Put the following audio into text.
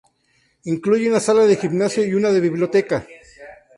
Incluye una sala de gimnasio y una biblioteca.